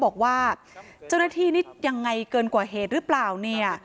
บอกว่าเจ้าหน้าที่นี่ยังไงเกินกว่าเหตุหรือเปล่าเนี่ย